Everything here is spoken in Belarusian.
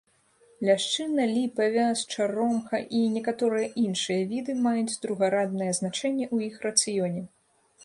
Ляшчына, ліпа, вяз, чаромха і некаторыя іншыя віды маюць другараднае значэнне ў іх рацыёне.